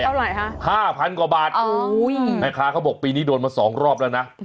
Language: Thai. เท่าไหร่ฮะห้าพันกว่าบาทแม่ค้าเขาบอกปีนี้โดนมาสองรอบแล้วนะ